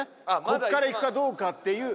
ここからいくかどうかっていう。